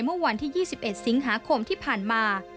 เมื่อวันที่๒๑สิงหาคมที่ผ่านมา